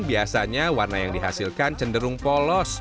biasanya warna yang dihasilkan cenderung polos